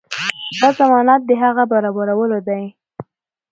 دا ضمانت د هغه برابرولو دی.